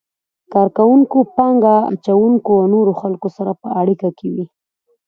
کار کوونکو، پانګه اچونکو او نورو خلکو سره په اړیکه کې وي.